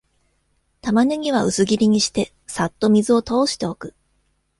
タマネギは薄切りにして、さっと水を通しておく